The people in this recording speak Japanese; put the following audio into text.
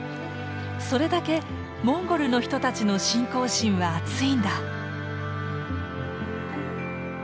それだけモンゴルの人たちの信仰心はあついんだ。